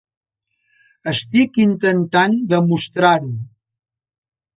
Estic intentant demostrar-ho.